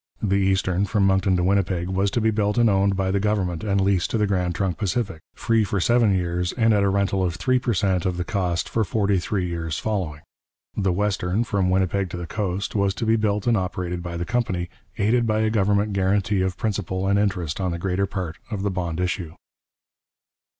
The eastern, from Moncton to Winnipeg, was to be built and owned by the government and leased to the Grand Trunk Pacific, free for seven years and at a rental of three per cent of the cost for forty three years following. The western, from Winnipeg to the coast, was to be built and operated by the company, aided by a government guarantee of principal and interest on the greater part of the bond issue.